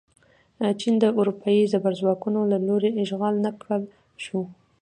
چین د اروپايي زبرځواکونو له لوري اشغال نه کړل شو.